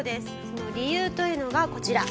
その理由というのがこちら。